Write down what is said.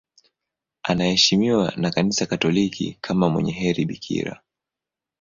Anaheshimiwa na Kanisa Katoliki kama mwenye heri bikira.